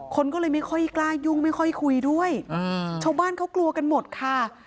คนก็เลยไม่ค่อยกล้ายุ่งไม่ค่อยคุยด้วยชาวบ้านเขากลัวกันหมดค่ะ